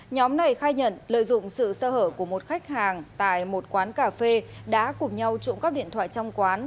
nhóm này khai nhận lợi dụng sự sơ hở của một khách hàng tại một quán cà phê đã cùng nhau trộm cắp điện thoại trong quán